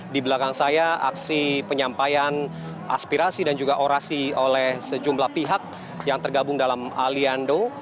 di belakang saya aksi penyampaian aspirasi dan juga orasi oleh sejumlah pihak yang tergabung dalam aliando